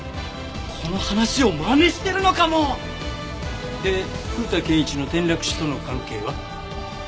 この話をまねしてるのかも！で古田憲一の転落死との関係は？